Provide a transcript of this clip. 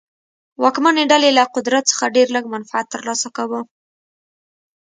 واکمنې ډلې له قدرت څخه ډېر لږ منفعت ترلاسه کاوه.